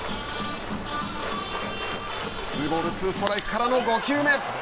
ツーボール、ツーストライクからの５球目。